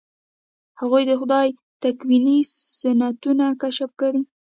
هغوی د خدای تکویني سنتونه کشف کړي.